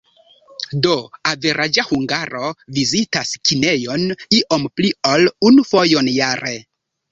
Do, averaĝa hungaro vizitas kinejon iom pli ol unu fojon jare.